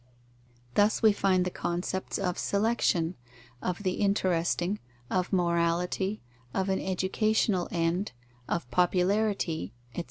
Thus we find the concepts of selection, of the interesting, of morality, of an educational end, of popularity, etc.